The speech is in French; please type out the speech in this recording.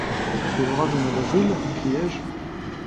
De l’orage au mois d’avril ! m’écriai-je.